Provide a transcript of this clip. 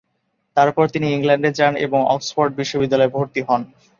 তারপর তিনি ইংল্যান্ডে যান ও অক্সফোর্ড বিশ্ববিদ্যালয়ে ভর্তি হন।